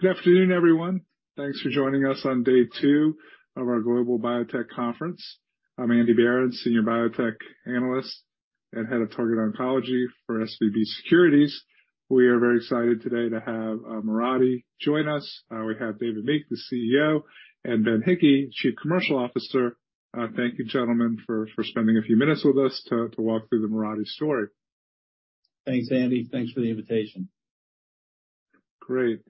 Good afternoon, everyone. Thanks for joining us on day two of our Global Biotech Conference. I'm Andrew Berens, Senior Biotech Analyst and Head of Targeted Oncology for SVB Securities. We are very excited today to have Mirati join us. We have David Meek, the CEO, and Ben Hickey, Chief Commercial Officer. Thank you, gentlemen, for spending a few minutes with us to walk through the Mirati story. Thanks, Andy. Thanks for the invitation. Great.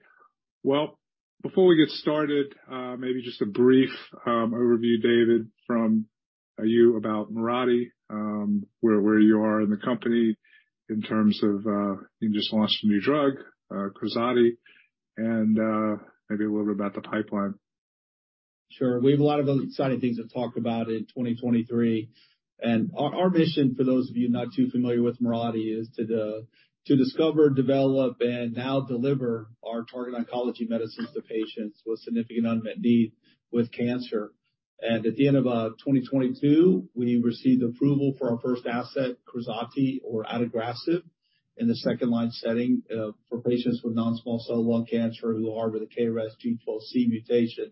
Well, before we get started, maybe just a brief overview, David, from you about Mirati, where you are in the company in terms of, you just launched a new drug, KRAZATI, and maybe a little bit about the pipeline. Sure. We have a lot of exciting things to talk about in 2023. Our mission, for those of you not too familiar with Mirati, is to discover, develop, and now deliver our target oncology medicines to patients with significant unmet need with cancer. At the end of 2022, we received approval for our first asset, KRAZATI or adagrasib, in the second line setting for patients with non-small cell lung cancer who harbor the KRAS G12C mutation.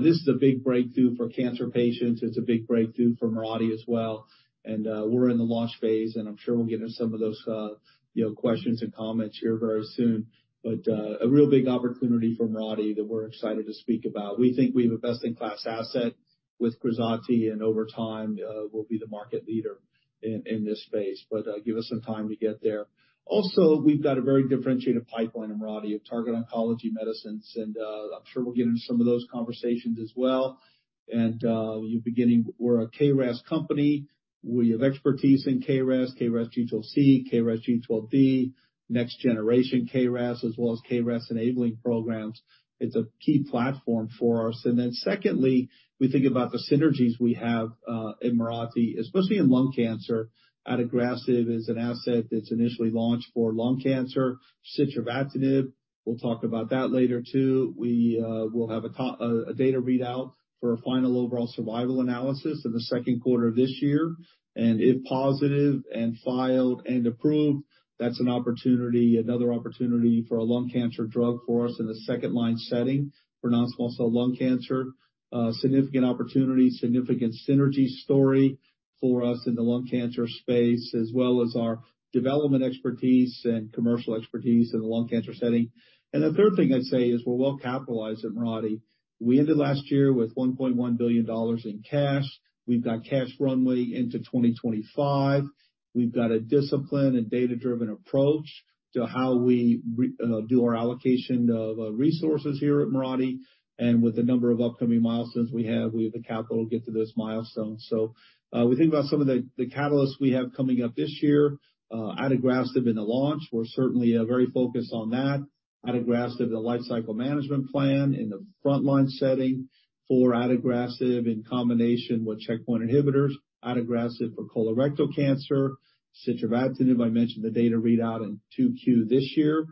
This is a big breakthrough for cancer patients. It's a big breakthrough for Mirati as well. We're in the launch phase, and I'm sure we'll get into some of those, you know, questions and comments here very soon. A real big opportunity for Mirati that we're excited to speak about. We think we have a best-in-class asset with KRAZATI, and over time, we'll be the market leader in this space, but give us some time to get there. Also, we've got a very differentiated pipeline at Mirati of target oncology medicines, and I'm sure we'll get into some of those conversations as well. You know, beginning, we're a KRAS company. We have expertise in KRAS G12C, KRAS G12D, next generation KRAS, as well as KRAS enabling programs. It's a key platform for us. Secondly, we think about the synergies we have in Mirati, especially in lung cancer. adagrasib is an asset that's initially launched for lung cancer. sitravatinib, we'll talk about that later too. We will have a data readout for a final overall survival analysis in the second quarter of this year. If positive and filed and approved, that's an opportunity, another opportunity for a lung cancer drug for us in the second line setting for non-small cell lung cancer. Significant opportunity, significant synergy story for us in the lung cancer space, as well as our development expertise and commercial expertise in the lung cancer setting. The third thing I'd say is we're well capitalized at Mirati. We ended last year with $1.1 billion in cash. We've got cash runway into 2025. We've got a disciplined and data-driven approach to how we do our allocation of resources here at Mirati. With the number of upcoming milestones we have, we have the capital to get to those milestones. We think about some of the catalysts we have coming up this year. adagrasib in the launch, we're certainly very focused on that. Adagrasib, the lifecycle management plan in the frontline setting for adagrasib in combination with checkpoint inhibitors, adagrasib for colorectal cancer. Sitravatinib, I mentioned the data readout in 2Q this year.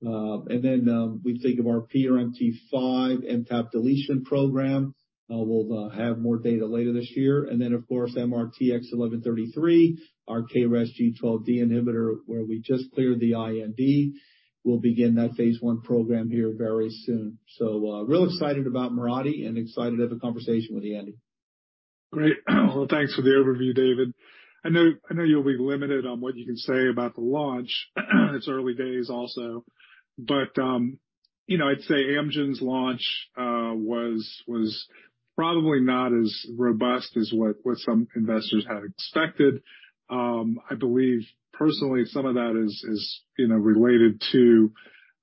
We think of our PRMT5 MTAP deletion program. We'll have more data later this year. Of course, MRTX1133, our KRAS G12D inhibitor, where we just cleared the IND. We'll begin that phase I program here very soon. Real excited about Mirati and excited to have a conversation with you, Andy. Great. Well, thanks for the overview, David. I know, I know you'll be limited on what you can say about the launch. It's early days also, but, you know, I'd say Amgen's launch, was probably not as robust as what some investors had expected. I believe personally, some of that is, you know, related to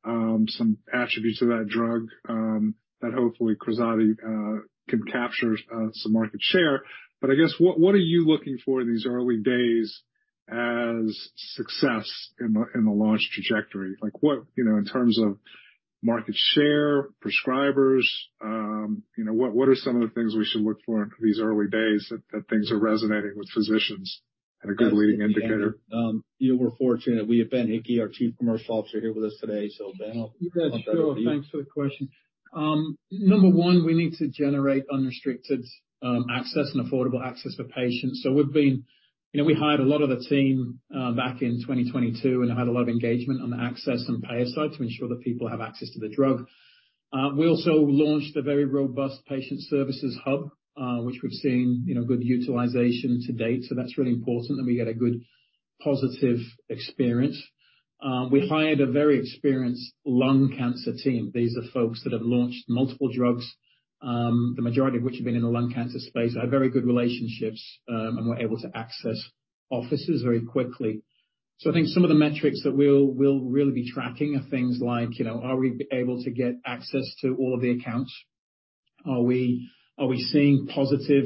some attributes of that drug, that hopefully KRAZATI can capture some market share. I guess, what are you looking for in these early days as success in the, in the launch trajectory? Like, what, you know, in terms of market share, prescribers, you know, what are some of the things we should look for in these early days that things are resonating with physicians and a good leading indicator? You know, we're fortunate. We have Ben Hickey, our Chief Commercial Officer, here with us today. Ben, I'll hand it over to you. Yeah, sure. Thanks for the question. Number one, we need to generate unrestricted access and affordable access for patients. You know, we hired a lot of the team back in 2022 and had a lot of engagement on the access and payer side to ensure that people have access to the drug. We also launched a very robust patient services hub, which we've seen, you know, good utilization to date. That's really important, and we get a good positive experience. We hired a very experienced lung cancer team. These are folks that have launched multiple drugs, the majority of which have been in the lung cancer space, have very good relationships, and we're able to access offices very quickly. I think some of the metrics that we'll really be tracking are things like, you know, are we able to get access to all of the accounts? Are we seeing positive,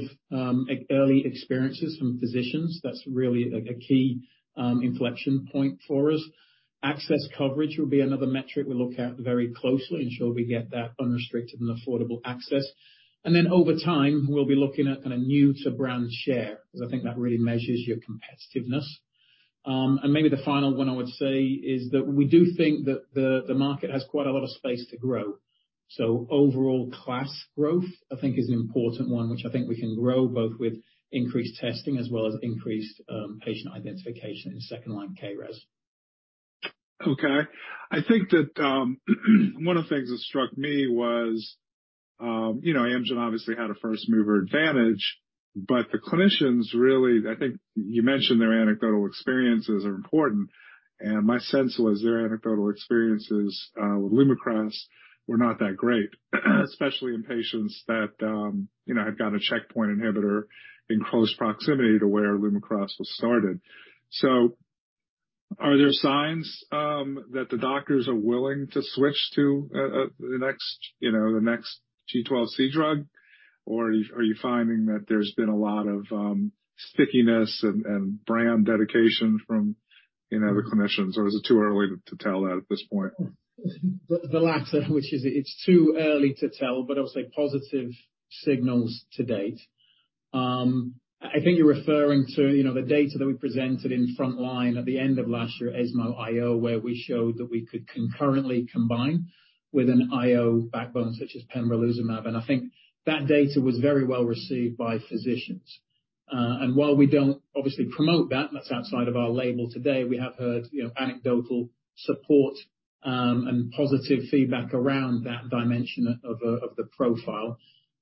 early experiences from physicians? That's really a key inflection point for us. Access coverage will be another metric we look at very closely, ensure we get that unrestricted and affordable access. Then over time, we'll be looking at kinda new to brand share, because I think that really measures your competitiveness. Maybe the final one I would say is that we do think that the market has quite a lot of space to grow. So overall class growth, I think, is an important one, which I think we can grow both with increased testing as well as increased patient identification in second-line KRAS. Okay. I think that, one of the things that struck me was, you know, Amgen obviously had a first-mover advantage, but the clinicians really, I think you mentioned their anecdotal experiences are important, and my sense was their anecdotal experiences, with Lumakras were not that great, especially in patients that, you know, had got a checkpoint inhibitor in close proximity to where Lumakras was started. Are there signs that the doctors are willing to switch to the next, you know, the next G12C drug? Or are you finding that there's been a lot of stickiness and brand dedication from, you know, the clinicians, or is it too early to tell that at this point? The latter, which is, it's too early to tell, but I'll say positive signals to date. I think you're referring to, you know, the data that we presented in frontline at the end of last year, ESMO IO, where we showed that we could concurrently combine with an IO backbone, such as Pembrolizumab. I think that data was very well received by physicians. While we don't obviously promote that's outside of our label today, we have heard, you know, anecdotal support, and positive feedback around that dimension of the profile.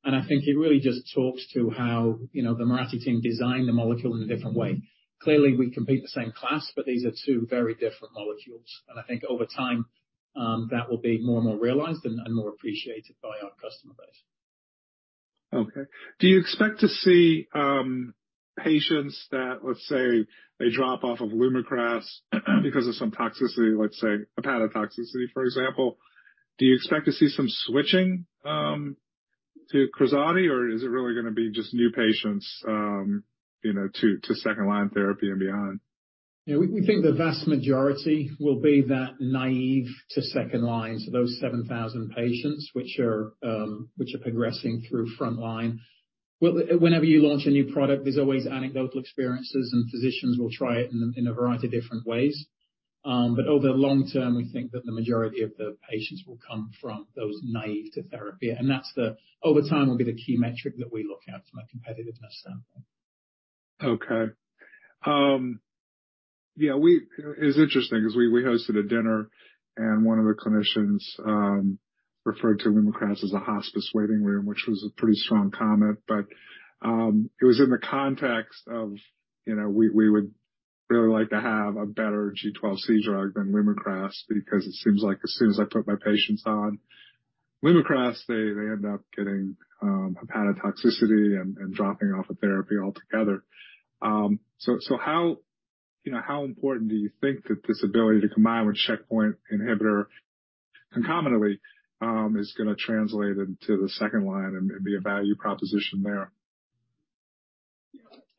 I think it really just talks to how, you know, the Mirati team designed the molecule in a different way. Clearly, we compete the same class, but these are two very different molecules. I think over time, that will be more and more realized and more appreciated by our customer base. Do you expect to see patients that, let's say, they drop off of Lumakras because of some toxicity, let's say hepatotoxicity, for example? Do you expect to see some switching to KRAZATI or is it really gonna be just new patients, you know, to second-line therapy and beyond? We think the vast majority will be that naive to second line. Those 7,000 patients which are progressing through front line. Whenever you launch a new product, there's always anecdotal experiences, and physicians will try it in a variety of different ways. Over the long term, we think that the majority of the patients will come from those naive to therapy. That's the over time will be the key metric that we look at from a competitiveness standpoint. Okay. Yeah, we it's interesting 'cause we hosted a dinner, and one of the clinicians referred to Lumakras as a hospice waiting room, which was a pretty strong comment. It was in the context of, you know, we would really like to have a better G12C drug than Lumakras because it seems like as soon as I put my patients on Lumakras, they end up getting hepatotoxicity and dropping off of therapy altogether. How, you know, how important do you think that this ability to combine with checkpoint inhibitor concomitantly is gonna translate into the second line and be a value proposition there?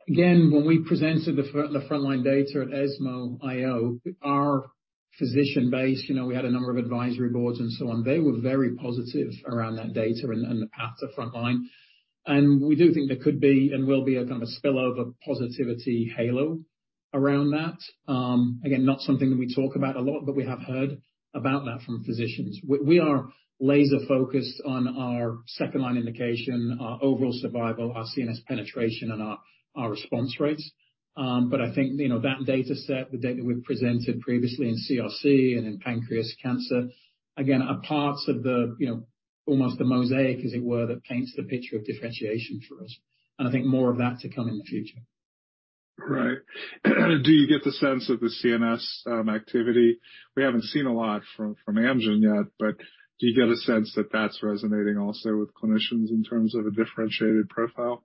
When we presented the frontline data at ESMO IO, our physician base, you know, we had a number of advisory boards and so on. They were very positive around that data and the path to frontline. We do think there could be and will be a kind of a spillover positivity halo around that. Again, not something that we talk about a lot, but we have heard about that from physicians. We are laser-focused on our second line indication, our overall survival, our CNS penetration, and our response rates. I think, you know, that dataset, the data we presented previously in CRC and in pancreas cancer, again, are parts of the, you know, almost the mosaic, as it were, that paints the picture of differentiation for us. I think more of that to come in the future. Right. Do you get the sense of the CNS activity? We haven't seen a lot from Amgen yet, but do you get a sense that that's resonating also with clinicians in terms of a differentiated profile?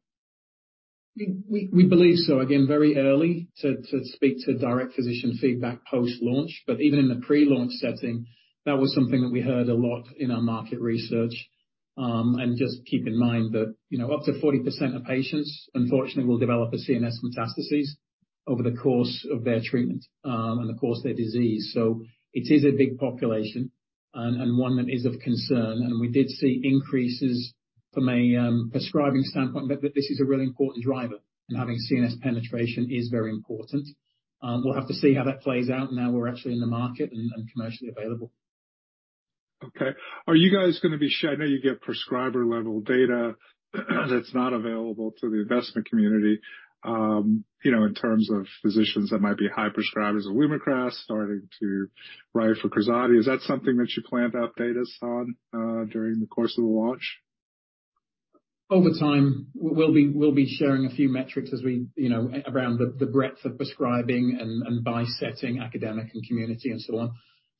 We believe so. Again, very early to speak to direct physician feedback post-launch, but even in the pre-launch setting, that was something that we heard a lot in our market research. Just keep in mind that, you know, up to 40% of patients, unfortunately, will develop a CNS metastases over the course of their treatment and the course of their disease. It is a big population and one that is of concern. We did see increases from a prescribing standpoint, that this is a really important driver, and having CNS penetration is very important. We'll have to see how that plays out now we're actually in the market and commercially available. Okay. Are you guys gonna be I know you get prescriber-level data that's not available to the investment community, you know, in terms of physicians that might be high prescribers of Lumakras starting to write for KRAZATI. Is that something that you plan to update us on, during the course of the launch? Over time, we'll be sharing a few metrics as we, you know, around the breadth of prescribing and by setting, academic and community and so on.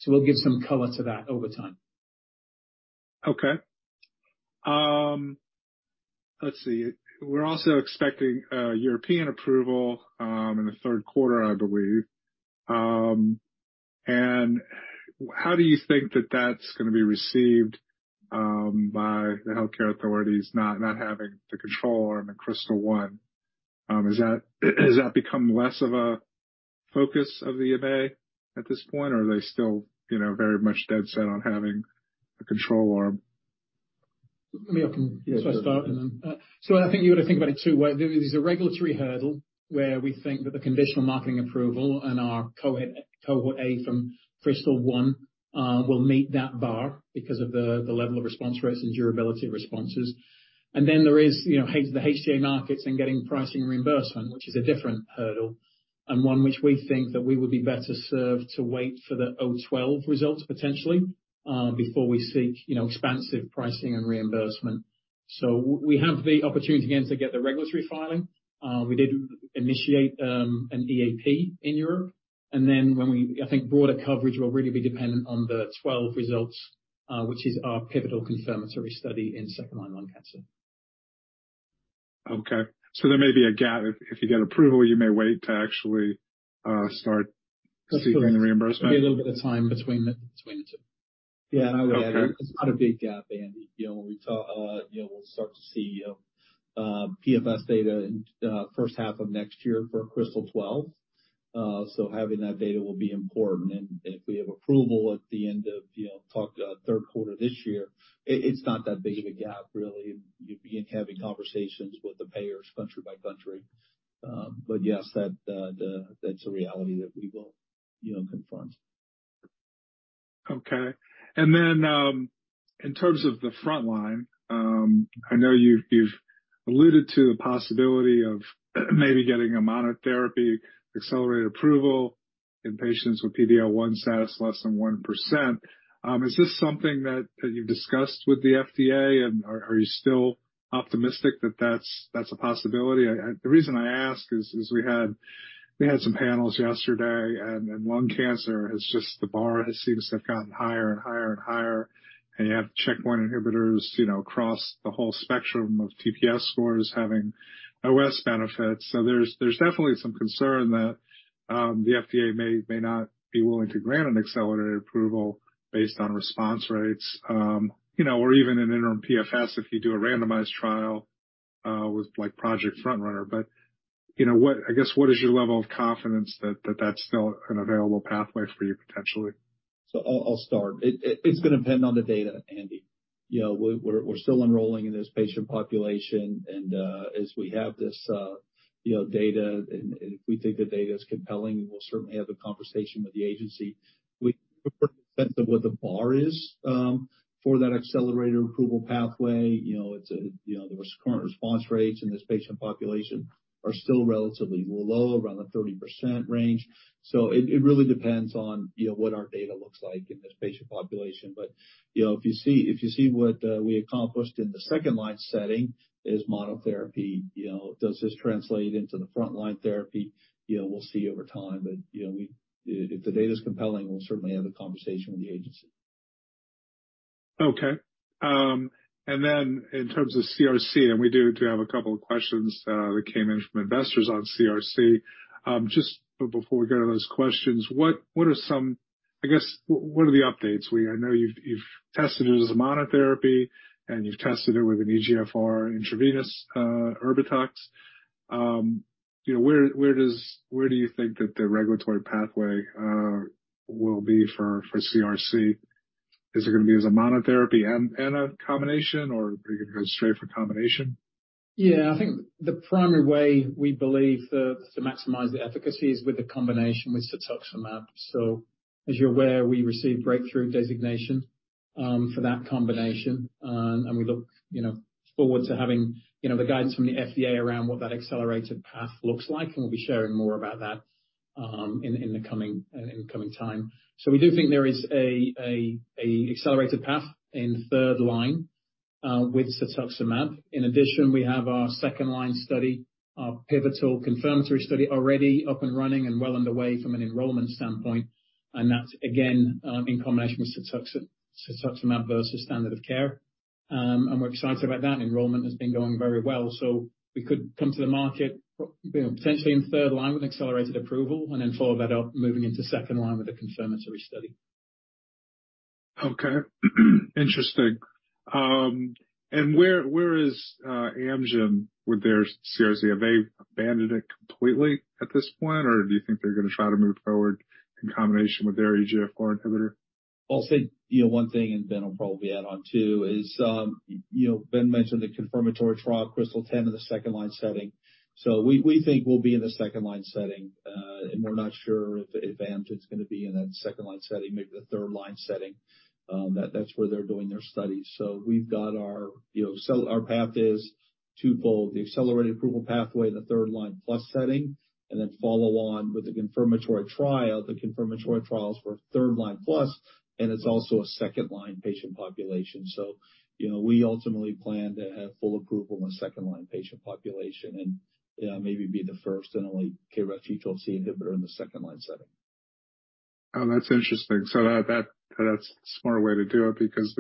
We'll give some color to that over time. Okay. Let's see. We're also expecting European approval in the third quarter, I believe. How do you think that that's gonna be received by the healthcare authorities not having the control arm in KRYSTAL-1? Is that, has that become less of a focus of the MAA at this point, or are they still, you know, very much dead set on having a control arm? I think you've got to think about it two ways. There is a regulatory hurdle where we think that the conditional marketing authorisation and our Cohort A from KRYSTAL-1 will meet that bar because of the level of response rates and durability responses. There is, you know, head to the ex-US markets and getting pricing reimbursement, which is a different hurdle and one which we think that we would be better served to wait for the 12 results potentially before we seek, you know, expansive pricing and reimbursement. We have the opportunity again to get the regulatory filing. We did initiate an EAP in Europe. I think broader coverage will really be dependent on the 12 results, which is our pivotal confirmatory study in second-line lung cancer. Okay. There may be a gap. If you get approval, you may wait to actually start seeking the reimbursement. There'll be a little bit of time between the two. I would add, it's not a big gap, Andy. You know, when we, you know, we'll start to see PFS data in first half of next year for KRYSTAL-12. Having that data will be important. If we have approval at the end of, you know, talk, third quarter this year, it's not that big of a gap, really. You begin having conversations with the payers country by country. Yes, that's a reality that we will, you know, confront. Okay. In terms of the front line, I know you've alluded to the possibility of maybe getting a monotherapy accelerated approval in patients with PD-L1 status less than 1%. Is this something that you've discussed with the FDA? Are you still optimistic that that's a possibility? The reason I ask is, we had some panels yesterday and lung cancer has just the bar seems to have gotten higher and higher and higher. You have checkpoint inhibitors, you know, across the whole spectrum of TPS scores having OS benefits. There's definitely some concern that the FDA may not be willing to grant an accelerated approval based on response rates, you know, or even an interim PFS if you do a randomized trial, with like, Project Front Runner. You know, I guess, what is your level of confidence that that's still an available pathway for you potentially? I'll start. It's gonna depend on the data, Andy. You know, we're still enrolling in this patient population. As we have this, you know, data, and if we think the data is compelling, we'll certainly have a conversation with the agency. We That's interesting. That's a smarter way to do it because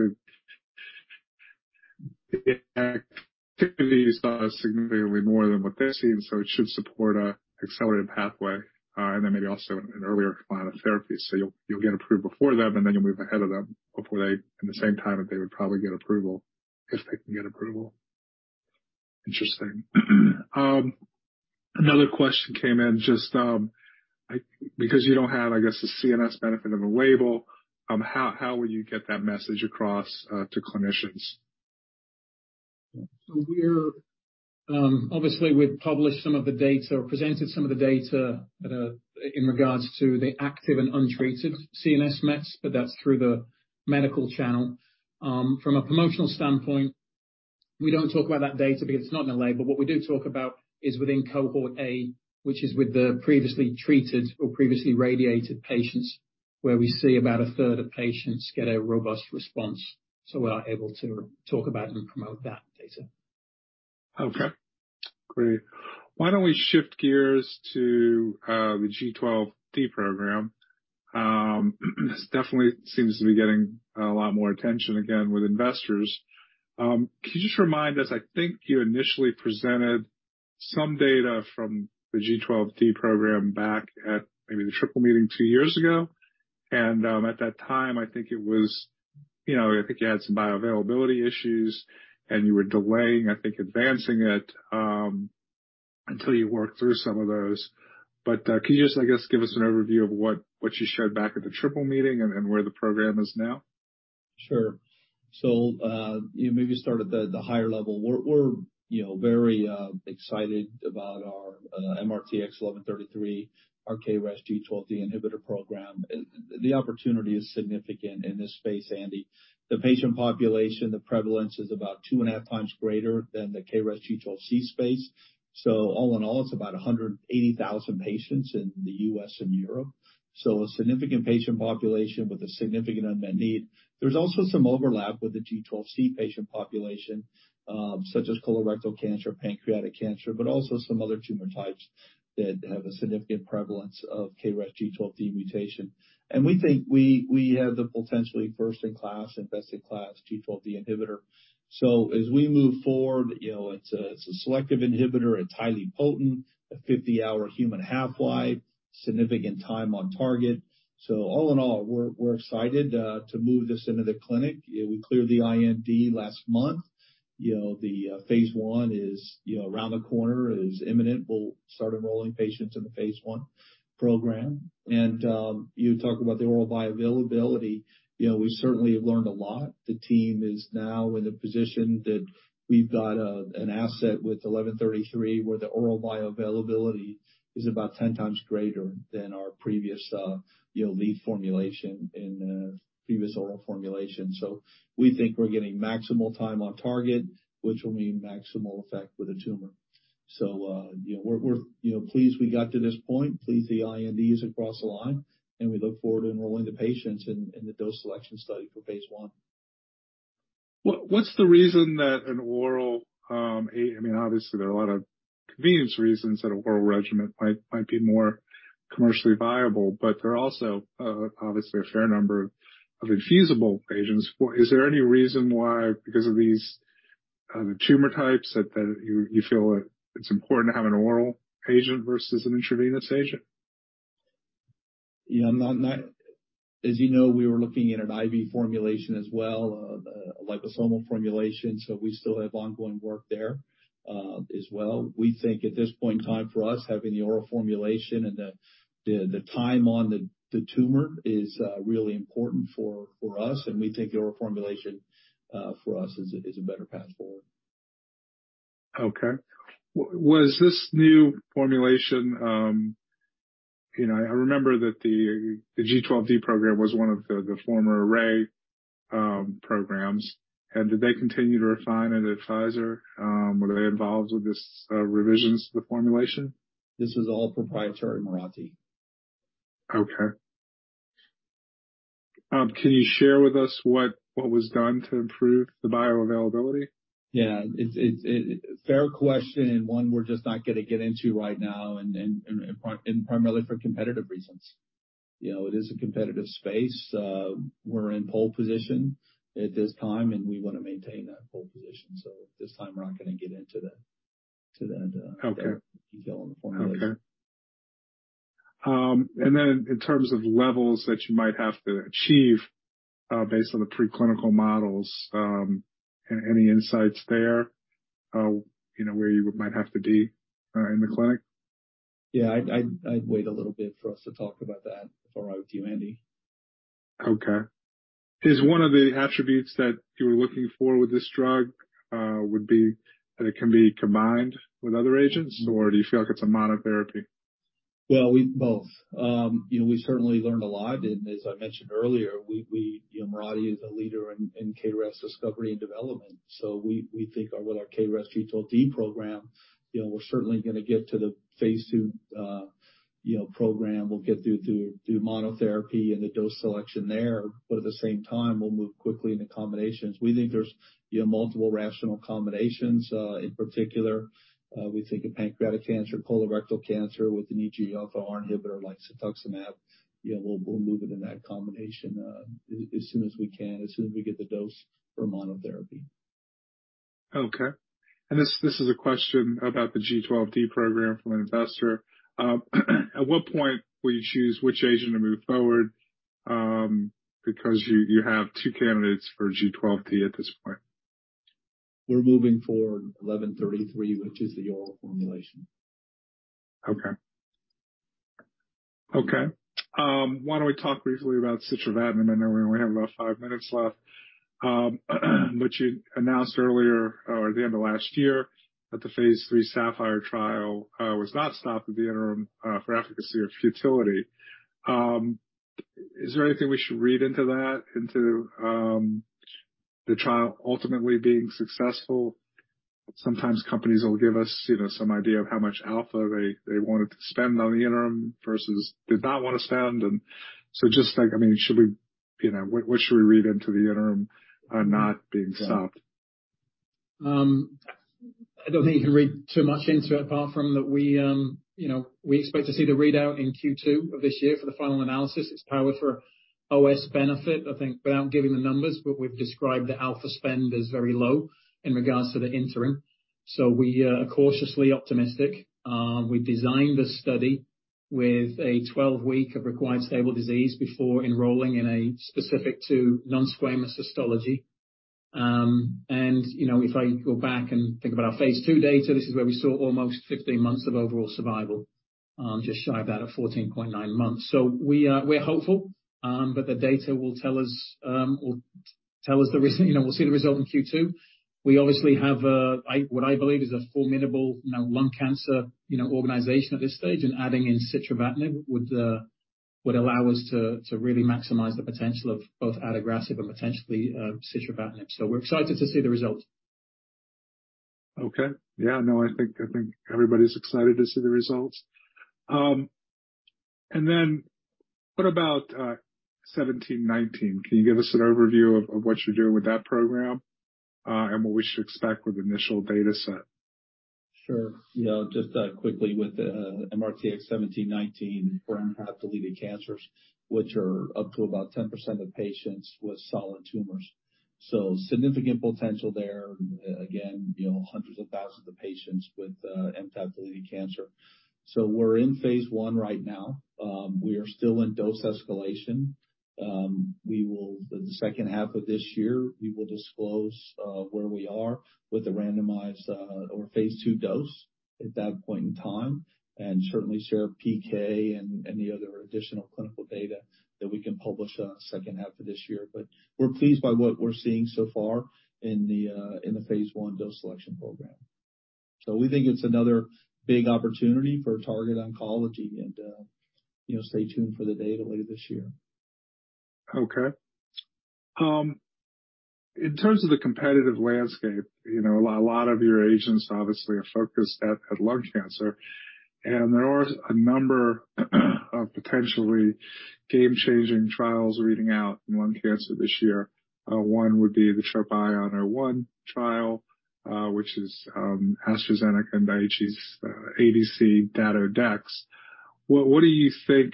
the activity is done significantly more than what they're seeing, so it should support a accelerated pathway, and then maybe also an earlier line of therapy. You'll get approved before them, and then you'll move ahead of them at the same time that they would probably get approval, if they can get approval. Interesting. Another question came in just, because you don't have, I guess, the CNS benefit of a label, how will you get that message across to clinicians? Obviously we've published some of the data or presented some of the data that in regards to the active and untreated CNS mets, but that's through the medical channel. From a promotional standpoint, we don't talk about that data because it's not in the label. What we do talk about is within Cohort A, which is with the previously treated or previously radiated patients, where we see about a third of patients get a robust response. We are able to talk about and promote that data. Okay, great. Why don't we shift gears to the G12D program? This definitely seems to be getting a lot more attention again with investors. Can you just remind us, I think you initially presented some data from the G12D program back at maybe the Triple meeting two years ago. At that time, I think it was, you know, I think you had some bioavailability issues, and you were delaying, I think, advancing it until you worked through some of those. Can you just, I guess, give us an overview of what you showed back at the Triple meeting and where the program is now? Sure. You maybe start at the higher level. We're, you know, very excited about our MRTX1133, our KRAS G12D inhibitor program. The opportunity is significant in this space, Andy. The patient population, the prevalence is about 2.5 times greater than the KRAS G12C space. All in all, it's about 180,000 patients in the U.S. and Europe. A significant patient population with a significant unmet need. There's also some overlap with the G12C patient population, such as colorectal cancer, pancreatic cancer, but also some other tumor types that have a significant prevalence of KRAS G12D mutation. We think we have the potentially first in-class, best in class G12D inhibitor. As we move forward, you know, it's a selective inhibitor. It's highly potent. A 50-hour human half-life, significant time on target. All in all, we're excited to move this into the clinic. We cleared the IND last month. You know, the phase I is, you know, around the corner. It is imminent. We'll start enrolling patients in the phase I program. You talk about the oral bioavailability. You know, we certainly have learned a lot. The team is now in the position that we've got an asset with eleven thirty-three, where the oral bioavailability is about 10 times greater than our previous, you know, lead formulation in a previous oral formulation. We think we're getting maximal time on target, which will mean maximal effect with a tumor. You know, we're, you know, pleased we got to this point, pleased the IND is across the line, and we look forward to enrolling the patients in the dose selection study for phase I. What's the reason that an oral, I mean, obviously there are a lot of convenience reasons that an oral regimen might be more commercially viable, but there are also, obviously a fair number of infusible agents. Is there any reason why, because of these tumor types that you feel it's important to have an oral agent versus an intravenous agent? Yeah. As you know, we were looking at an IV formulation as well, a liposomal formulation. We still have ongoing work there as well. We think at this point in time for us, having the oral formulation and the time on the tumor is really important for us. We think the oral formulation for us is a better path forward. Okay. Was this new formulation, you know, I remember that the G12D program was one of the former Array programs. Did they continue to refine it at Pfizer? Were they involved with this revisions to the formulation? This is all proprietary Mirati. Can you share with us what was done to improve the bioavailability? Yeah. It's fair question and one we're just not gonna get into right now and primarily for competitive reasons. You know, it is a competitive space. We're in pole position at this time, and we wanna maintain that pole position. At this time, we're not gonna get into that. Okay. detail on the formulation. Okay. In terms of levels that you might have to achieve, based on the preclinical models, any insights there, you know, where you might have to be, in the clinic? Yeah. I'd wait a little bit for us to talk about that if I were you, Andy. Okay. Is one of the attributes that you were looking for with this drug, would be that it can be combined with other agents, or do you feel like it's a monotherapy? We both. You know, we certainly learned a lot. As I mentioned earlier, you know, Mirati is a leader in KRAS discovery and development. We think with our KRAS G12D program, you know, we're certainly gonna get to the phase II, you know, program. We'll get through to do monotherapy and the dose selection there. At the same time, we'll move quickly into combinations. We think there's, you know, multiple rational combinations, in particular, we think of pancreatic cancer, colorectal cancer with an EGFR inhibitor like cetuximab. You know, we'll move it in that combination, as soon as we can, as soon as we get the dose for monotherapy. Okay. This is a question about the G12D program from an investor. At what point will you choose which agent to move forward? Because you have two candidates for G12D at this point. We're moving forward Eleven Thirty-Three, which is the oral formulation. Okay. Okay. Why don't we talk briefly about sitravatinib? Then we have about five minutes left, which you announced earlier or at the end of last year that the phase III SAPPHIRE trial was not stopped at the interim for efficacy or futility. Is there anything we should read into that, into the trial ultimately being successful? Sometimes companies will give us, you know, some idea of how much alpha they wanted to spend on the interim versus did not want to spend. So just like, I mean, should we, you know, what should we read into the interim not being stopped? I don't think you can read too much into it, apart from that we, you know, we expect to see the readout in Q2 of this year for the final analysis. It's powered for OS benefit, I think without giving the numbers, but we've described the alpha spend as very low in regards to the interim. We are cautiously optimistic. We've designed the study with a 12-week of required stable disease before enrolling in a specific to non-squamous histology. You know, if I go back and think about our phase II data, this is where we saw almost 15 months of overall survival, just shy of that at 14.9 months. We're hopeful, but the data will tell us, you know, we'll see the result in Q2. We obviously have, what I believe is a formidable, you know, lung cancer, you know, organization at this stage, and adding in sitravatinib would allow us to really maximize the potential of both adagrasib and potentially, sitravatinib. We're excited to see the results. Okay. Yeah, no, I think, I think everybody's excited to see the results. What about MRTX1719? Can you give us an overview of what you're doing with that program, and what we should expect with initial data set? Sure. You know, just quickly with the MRTX1719 for BRCA-deleted cancers, which are up to about 10% of patients with solid tumors, so significant potential there. Again, you know, hundreds of thousands of patients with BRCA-deleted cancer. We're in phase I right now. We are still in dose escalation. We will the second half of this year, we will disclose where we are with the randomized or phase II dose at that point in time. Certainly share PK and any other additional clinical data that we can publish second half of this year. We're pleased by what we're seeing so far in the phase I dose selection program. We think it's another big opportunity for targeted oncology and, you know, stay tuned for the data later this year. Okay. In terms of the competitive landscape, you know, a lot of your agents obviously are focused at lung cancer. There are a number of potentially game-changing trials reading out in lung cancer this year. One would be the Sharp Ion or one trial, which is AstraZeneca and Daiichi's ADC Dato-DXd. Well, what do you think,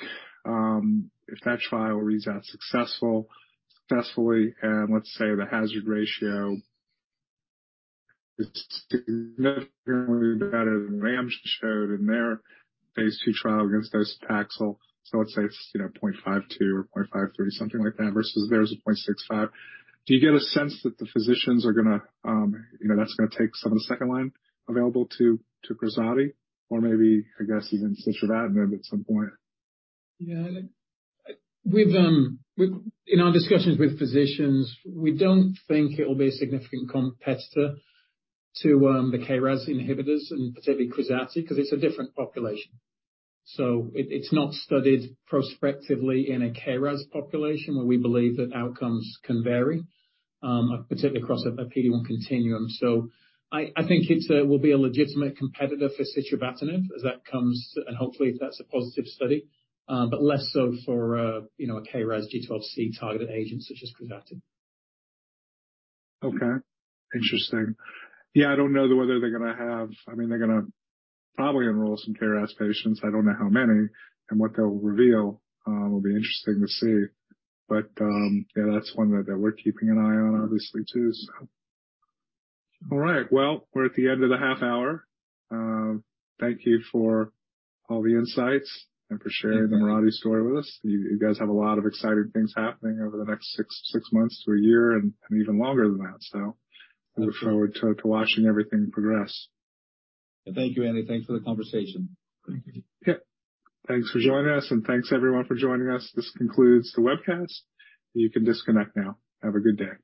if that trial reads out successfully and let's say the hazard ratio is significantly better than Amgen showed in their phase II trial against docetaxel. So let's say it's, you know, 0.52 or 0.53, something like that, versus theirs at 0.65. Do you get a sense that the physicians are gonna, you know, that's gonna take some of the second line available to KRAZATI or maybe I guess even sitravatinib at some point? In our discussions with physicians, we don't think it'll be a significant competitor to the KRAS inhibitors and particularly KRAZATI, 'cause it's a different population. It's not studied prospectively in a KRAS population where we believe that outcomes can vary, particularly across a PD-1 continuum. I think it will be a legitimate competitor for sitravatinib as that comes and hopefully if that's a positive study, but less so for, you know, a KRAS G12C targeted agent such as KRAZATI. Okay. Interesting. Yeah, I don't know whether I mean, they're gonna probably enroll some KRAS patients. I don't know how many. What they'll reveal, will be interesting to see. Yeah, that's one that we're keeping an eye on obviously too, so. All right. Well, we're at the end of the half hour. Thank you for all the insights and for sharing... Thank you. the Mirati story with us. You guys have a lot of exciting things happening over the next six months to a year and even longer than that. I look forward to watching everything progress. Thank you, Andy. Thanks for the conversation. Yeah. Thanks for joining us, and thanks everyone for joining us. This concludes the webcast. You can disconnect now. Have a good day.